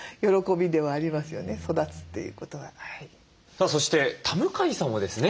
さあそして田向さんもですね